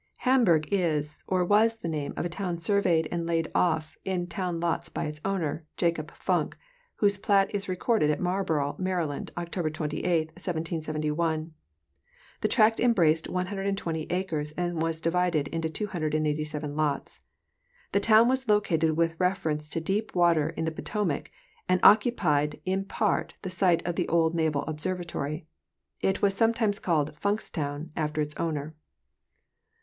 Hamburgh is or was the name of a town surveyed and laid off in town lots by its owner, Jacob Funk, whose plat is recorded at Marlborough, Maryland, October 28, 1771. The tract em braced 120 acres and was divided into 287 lots. The town was located with reference to deep water in the Potomac, and occu pied in part the site of the old Naval Observatory. It was some times called Funkstown, after its owner.